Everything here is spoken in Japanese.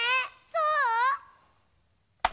そう？